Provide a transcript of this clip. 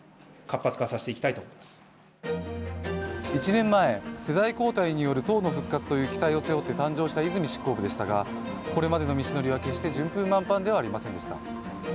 １年前、世代交代による党の復活という期待を背負って誕生した泉執行部でしたがこれまでの道のりは決して順風満帆ではありませんでした。